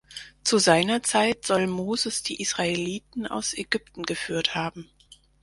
Zu seiner Zeit soll Moses die Israeliten aus Ägypten geführt haben.